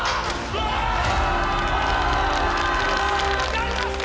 やりました！